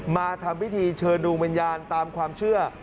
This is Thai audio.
มาทำพิธีเชิญดวงวิญญาณตามความเชื่อ